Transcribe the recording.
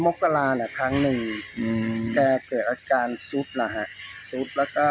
แล้วครับก็คือมกรานะครั้งหนึ่งอืมแต่เกิดอาการซุดนะฮะซุดแล้วก็